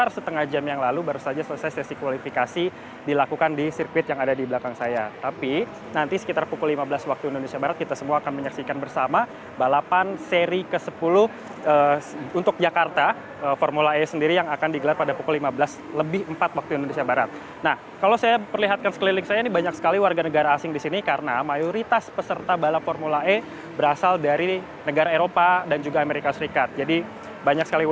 selamat siang yuda